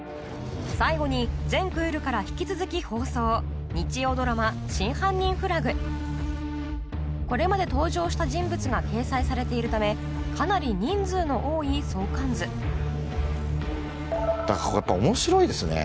最後に前クールから引き続き放送これまで登場した人物が掲載されているためかなり人数の多い相関図やっぱ面白いですね。